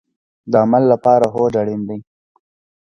د عمل لپاره هوډ اړین دی